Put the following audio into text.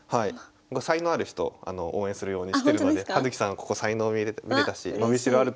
才能ある人を応援するようにしてるので葉月さんここ才能見れたし。